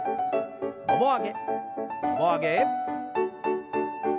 もも上げもも上げ。